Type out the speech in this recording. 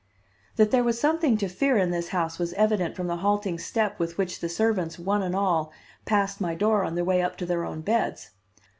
That there was something to fear in this house was evident from the halting step with which the servants, one and all, passed my door on their way up to their own beds.